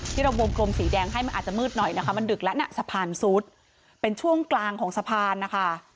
ที่เราวงกลมสีแดงให้มันอาจจะมืดหน่อยนะคะมันดึกแล้วน่ะสะพานซุดเป็นช่วงกลางของสะพานนะคะ